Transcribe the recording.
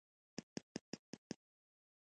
په اوښکو باندي مینځمه خپل کلی ترې روان شم